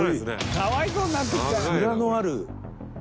かわいそうになってきた。